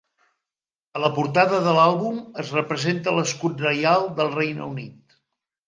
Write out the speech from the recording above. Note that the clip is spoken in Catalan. A la portada de l'àlbum es representa l'escut reial del Regne Unit.